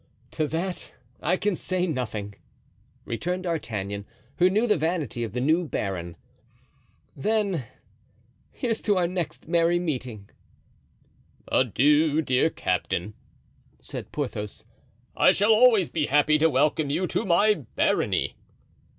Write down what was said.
"To that I can say nothing," returned D'Artagnan, who knew the vanity of the new baron. "Then, here's to our next merry meeting!" "Adieu, dear captain," said Porthos, "I shall always be happy to welcome you to my barony."